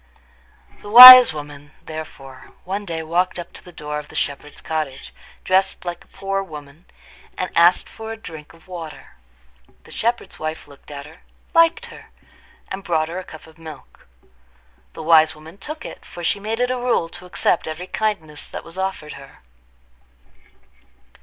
The wise woman, therefore, one day walked up to the door of the shepherd's cottage, dressed like a poor woman, and asked for a drink of water. The shepherd's wife looked at her, liked her, and brought her a cup of milk. The wise woman took it, for she made it a rule to accept every kindness that was offered her.